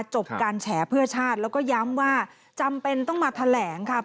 จบการแฉเพื่อชาติแล้วก็ย้ำว่าจำเป็นต้องมาแถลงค่ะ